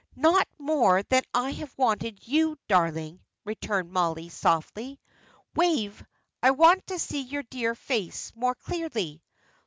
"Not more than I have wanted you, darling," returned Mollie, softly. "Wave, I want to see your dear face more clearly.